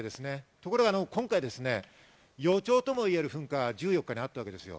ところが今回、予兆ともいえる噴火が１４日にあったわけです。